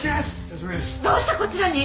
どうしてこちらに？